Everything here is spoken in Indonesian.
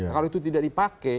kalau itu tidak dipakai